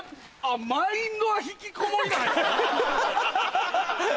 マインドは引きこもりなんやな。